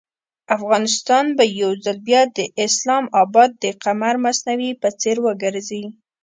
افغانستان به یو ځل بیا د اسلام اباد د قمر مصنوعي په څېر وګرځي.